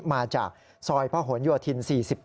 มาจากซอยพระหลโยธิน๔๘